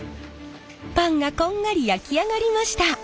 パンがこんがり焼き上がりました！